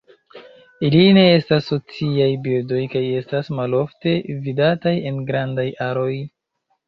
Ili ne estas sociaj birdoj kaj estas malofte vidataj en grandaj aroj.